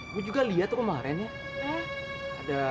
gue juga liat kemarin ya